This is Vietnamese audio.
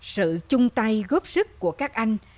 sự chung tay góp sức của các anh